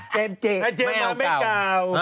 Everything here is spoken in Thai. เจมส์มาไม่เก่า